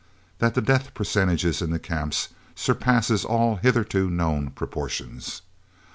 That the death percentage in the Camps surpasses all hitherto known proportions.